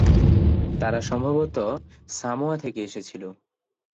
তারা সম্ভবত সামোয়া থেকে এসেছিল।